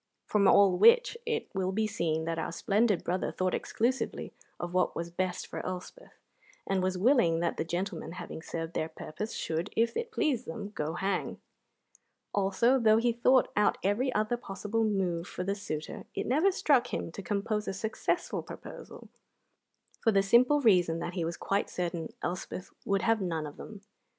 From all which it will be seen that our splendid brother thought exclusively of what was best for Elspeth, and was willing that the gentlemen, having served their purpose, should, if it pleased them, go hang. Also, though he thought out every other possible move for the suitor, it never struck him to compose a successful proposal, for the simple reason that he was quite certain Elspeth would have none of them.